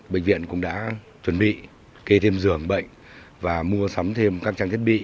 bệnh viện cũng đã chuẩn bị kê thêm giường bệnh và mua sắm thêm các trang thiết bị